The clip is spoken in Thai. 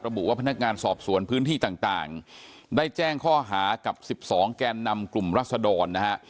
บุว่าพนักงานสอบสวนพื้นที่ต่างได้แจ้งข้อหากับ๑๒แกนนำกลุ่มรัศดรนะฮะ